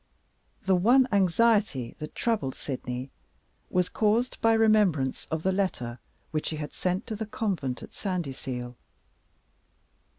The one anxiety that troubled Sydney was caused by remembrance of the letter which she had sent to the convent at Sandyseal.